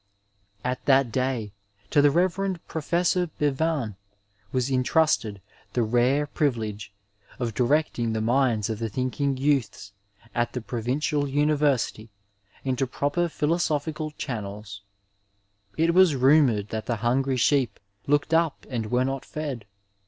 At that day, to the Rev. Prof. Bevan was intrusted the rare privilege of directing the minds of the thinking youths at the Provincial University into proper philoso phical channels. It was rumoured that the hungry sheep looked up and were not fed.